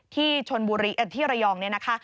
ที่ระยองเนี่ยนะคะ